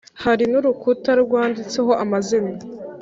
Hari n’urukuta rwanditseho amazina